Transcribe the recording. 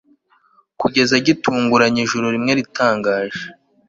kugeza gitunguranye ijoro rimwe ritangaje